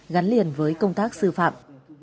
gắn liền với công tác sư phạm